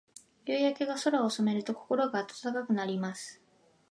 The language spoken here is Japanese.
夕焼けが空を染めると、心が温かくなります。